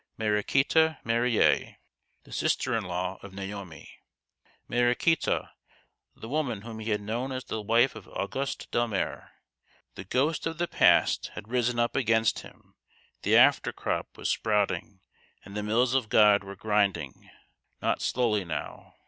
Mariquita Marillier, the sister in law of Naomi Mariquita, the woman whom he had known as the wife of Auguste Delmare ! The ghost of the past had risen up against him the after crop was sprouting and the mills of Grod were grinding, not slowly now